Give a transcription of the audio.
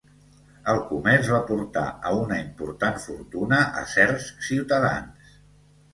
El comerç va portar a una important fortuna a certs ciutadans.